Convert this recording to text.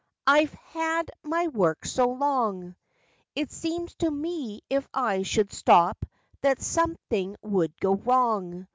I've had my work so long It seems to me if I should stop that some¬ thing would go wrong.